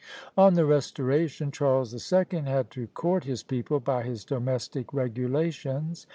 On the Restoration, Charles the Second had to court his people by his domestic regulations.